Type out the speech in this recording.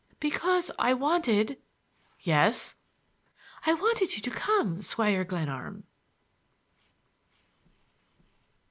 "Because I wanted—" "Yes." "I wanted you to come, Squire Glenarm!"